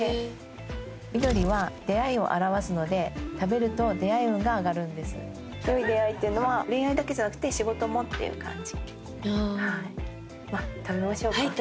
緑は出会いを表すので食べると出会い運が上がるんです良い出会いっていうのは恋愛だけじゃなくて仕事もっていう感じ。